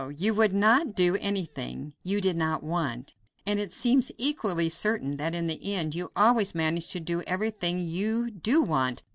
You would not do anything you did not want; and it seems equally certain that in the end you always manage to do everything you do want.